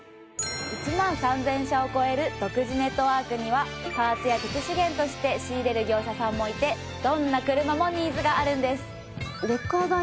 １万３０００社を超える独自ネットワークにはパーツや鉄資源として仕入れる業者さんもいてどんな車もニーズがあるんです。